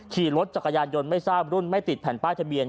ขี่รถจักรยานยนต์ไม่ทราบรุ่นไม่ติดแผ่นป้ายทะเบียน